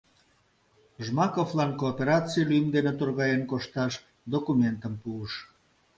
Жмаковлан коопераций лӱм дене торгаен кошташ документым пуыш...